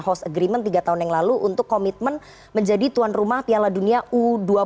hose agreement tiga tahun yang lalu untuk komitmen menjadi tuan rumah piala dunia u dua puluh dua ribu dua puluh tiga